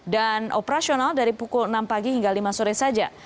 operasional dari pukul enam pagi hingga lima sore saja